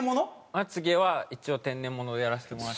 まつ毛は一応天然ものでやらせてもらって。